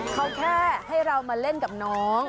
เขาแค่ให้เรามาเล่นกับน้อง